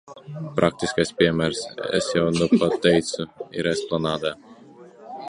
Praktiskais piemērs, es jau nupat teicu, ir Esplanādē.